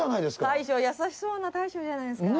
大将優しそうな大将じゃないですか。